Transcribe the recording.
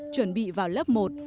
chuẩn bị vào lớp một